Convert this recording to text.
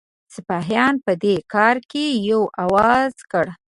سپاهیان په دې کار کې یو آواز کړه.